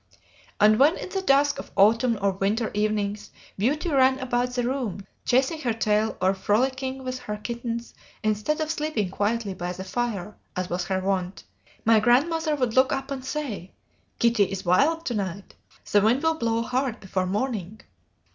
And when in the dusk of autumn or winter evenings Beauty ran about the room, chasing her tail or frolicking with her kittens instead of sleeping quietly by the fire as was her wont, my grandmother would look up and say: 'Kitty is wild to night. The wind will blow hard before morning.'